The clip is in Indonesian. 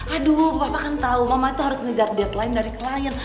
aduh bapak kan tahu mama itu harus ngejar deadline dari klien